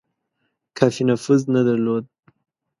کافي نفوذ نه درلود.